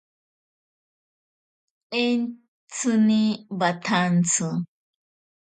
Entsini watsanti.